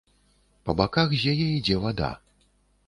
Па баках з яе ідзе вада.